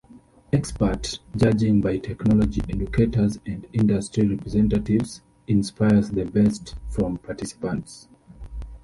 Expert judging by technology educators and industry representatives inspires the best from participants.